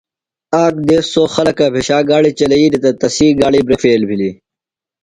آک دیس سوۡ خلکہ بھیشا گاڑیۡ چلئی دےۡ تہ تسی گاڑیۡ بریک فیل بِھلیۡ۔